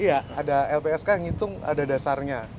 iya ada lpsk yang ngitung ada dasarnya